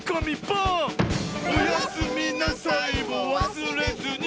「おやすみなさいもわすれずに」